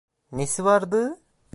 Nesi vardı?